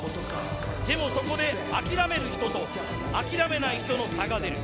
でもそこで諦める人と諦めない人の差が出る。